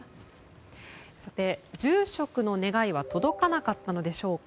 住職の願いは届かなかったのでしょうか。